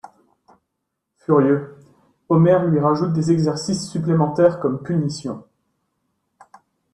Furieux, Homer lui rajoute des exercices supplémentaires comme punition.